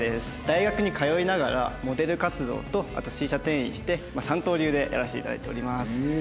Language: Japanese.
大学に通いながらモデル活動とあとシーシャ店員をして三刀流でやらせていただいております。